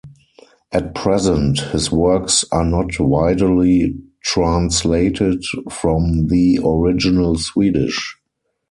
At present, his works are not widely translated from the original Swedish.